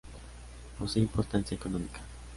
Posee importancia económica.